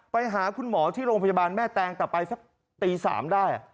ไปหาคุณหมอที่โรงพยาบาลแม่แตงแต่ไปสักตี๓ได้